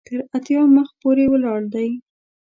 تر اتیا مخ پورې ولاړ دی.